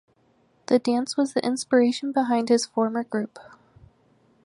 The dance was the inspiration behind his former group.